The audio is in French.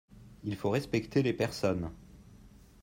Il faut respecter les personnes.